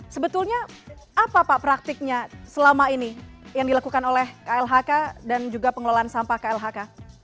sebetulnya apa pak praktiknya selama ini yang dilakukan oleh klhk dan juga pengelolaan sampah klhk